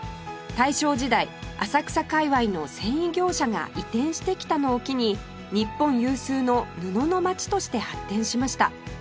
大正時代浅草界隈の繊維業者が移転してきたのを機に日本有数の布の街として発展しました